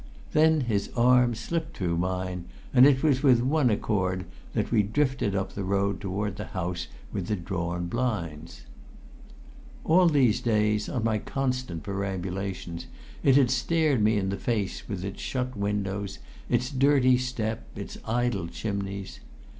Then his arm slipped through mine, and it was with one accord that we drifted up the road toward the house with the drawn blinds. All these days, on my constant perambulations, it had stared me in the face with its shut windows, its dirty step, its idle chimneys.